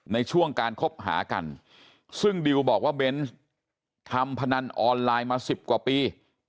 ในช่วงการคบหากันซึ่งดิวบอกว่าเบนส์ทำพนันออนไลน์มา๑๐กว่าปี